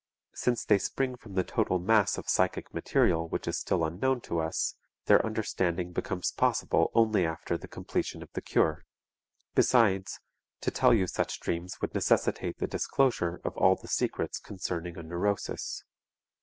Since they spring from the total mass of psychic material which is still unknown to us, their understanding becomes possible only after the completion of the cure. Besides, to tell you such dreams would necessitate the disclosure of all the secrets concerning a neurosis.